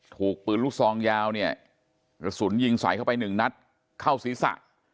ถูกปืนลูกซองยาวเนี่ยกระสุนยิงใส่เข้าไปหนึ่งนัดเข้าศีรษะ